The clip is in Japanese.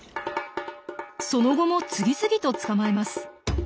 その後も次々と捕まえます。